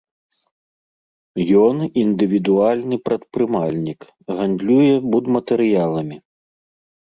Ён індывідуальны прадпрымальнік, гандлюе будматэрыяламі.